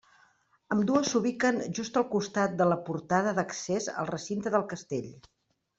Ambdues s'ubiquen justa al costat de la portada d'accés al recinte del castell.